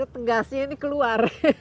tegasnya ini keluar